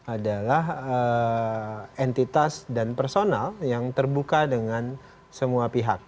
adalah entitas dan personal yang terbuka dengan semua pihak